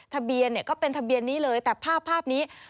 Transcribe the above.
ทะเบียนเนี่ยก็เป็นทะเบียนนี้เลยแต่ภาพนี้